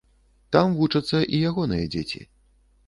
Там вучацца і ягоныя дзеці.